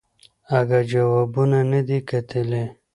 اگه جوابونه ندي کتلي.